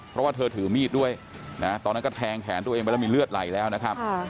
เพราะว่าเธอถือมีดด้วยนะตอนนั้นก็แทงแขนตัวเองไปแล้วมีเลือดไหลแล้วนะครับ